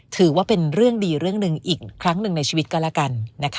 ถือว่าเป็นเรื่องดีเรื่องหนึ่งอีกครั้งหนึ่งในชีวิตก็แล้วกันนะคะ